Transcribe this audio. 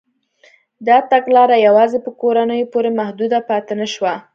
دا تګلاره یوازې په کورنیو پورې محدوده پاتې نه شوه.